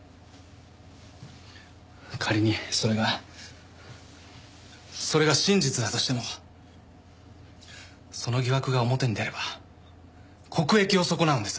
仮にそれがそれが真実だとしてもその疑惑が表に出れば国益を損なうんです。